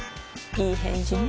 いい返事ね